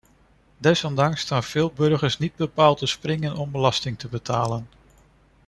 Desondanks staan veel burgers niet bepaald te springen om belasting te betalen.